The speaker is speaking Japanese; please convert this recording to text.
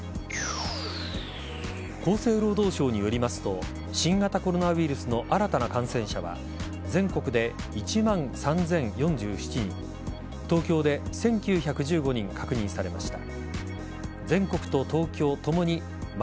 厚生労働省によりますと新型コロナウイルスの新たな感染者は全国で１万３０４７人東京で１９１５人確認されました。